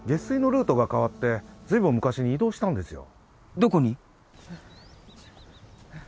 どこに？